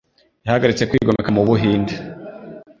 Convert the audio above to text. Yahagaritse kwigomeka mu Buhinde.